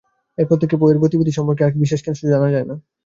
এরপর থেকে পো-এর গতিবিধি সম্পর্কে আর বিশেষ কিছু জানা যায় না।